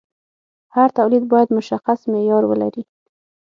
هر تولید باید مشخص معیار ولري.